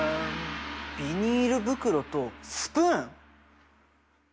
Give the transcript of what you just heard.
ビニール袋とスプーン？